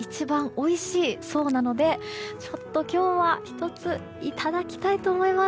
収穫したてが一番おいしいそうなのでちょっと今日は１ついただきたいと思います！